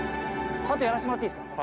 ハトやらせてもらっていいっすか？